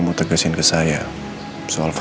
tidak ada yang nanya apa apa